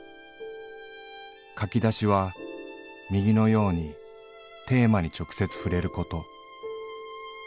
書き出しは右のようにテーマに直接ふれること。